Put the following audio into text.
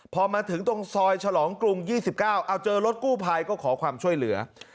พอมาถึงตรงซอยฉลองกรุง๒๙เอาเจอรถกู้ภัยก็ขอความช่วยเหลือ